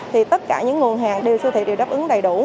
thì tất cả những nguồn hàng đều siêu thị đều đáp ứng đầy đủ